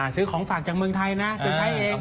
ซื้อของฝากจากเมืองไทยนะจะใช้เอง